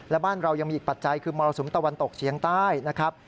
และบ้านเรายังมีอีกปัจจัยคือมรสุมตะวันตกเฉียงใต้นะครับ